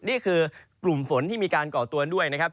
นี่คือกลุ่มฝนที่มีการก่อตัวด้วยนะครับ